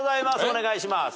お願いします。